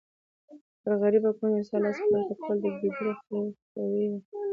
پر غریب او کمزوري انسان لاس پورته کول د ګیدړ خوی وو.